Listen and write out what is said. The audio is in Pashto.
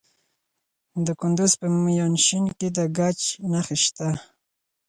د کندهار په میانشین کې د ګچ نښې شته.